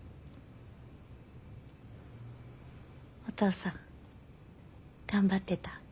お父さん頑張ってた？